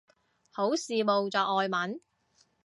好羨慕就外文